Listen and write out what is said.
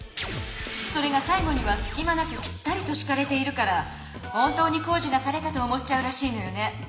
それがさい後にはすきまなくぴったりとしかれているから本当に工事がされたと思っちゃうらしいのよね。